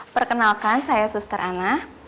perkenalkan saya suster ana